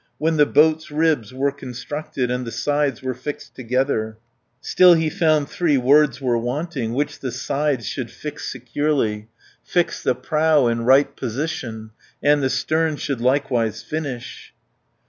When the boat's ribs were constructed, And the sides were fixed together, Still he found three words were wanting, Which the sides should fix securely, Fix the prow in right position, And the stern should likewise finish.